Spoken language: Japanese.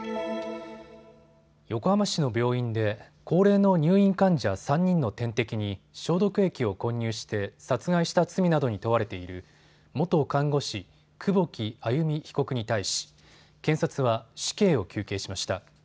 横浜市の病院で高齢の入院患者３人の点滴に消毒液を混入して殺害した罪などに問われている元看護師、久保木愛弓被告に対し検察は死刑を求刑しました。